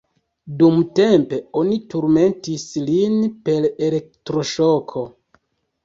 Dumtempe oni turmentis lin per elektro-ŝoko.